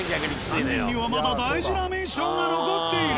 ３人にはまだ大事なミッションが残っている。